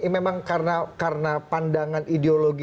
memang karena pandangan ideologi